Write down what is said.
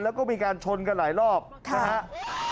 แล้วก็มีการชนกันหลายรอบนะครับ